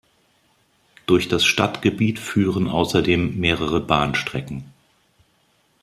Durch das Stadtgebiet führen außerdem mehrere Bahnstrecken.